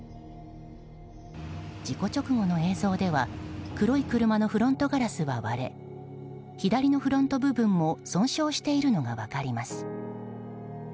事故直後の映像では黒い車のフロントガラスは割れ左のフロント部分も損傷しているのが分かります。